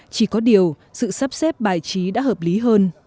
chỉ có điều sự sắp xếp bài trí đã hợp lý hơn